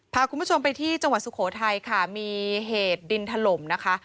พาคุณผู้ชมไปที่จังหวัดสุโขทัยค่ะมีเหตุดินถล่มนะคะ